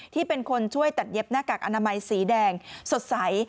ที่เป็นคนช่วยตัดเย็บหน้ากากอนามัยสีแดงสดใส